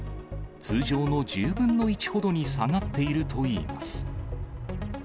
通常の１０分の１ほどに下がっているといいます。